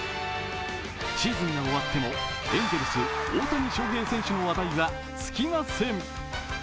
シーズンが終わっても、エンゼルス・大谷翔平選手の話題は尽きません。